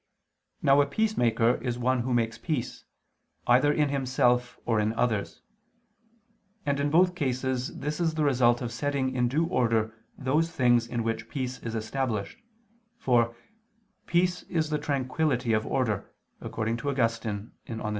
Now a peacemaker is one who makes peace, either in himself, or in others: and in both cases this is the result of setting in due order those things in which peace is established, for "peace is the tranquillity of order," according to Augustine (De Civ.